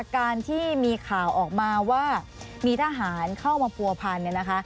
การที่มีข่าวออกมาว่ามีทหารเข้ามาผัวพันเนี่ยนะคะ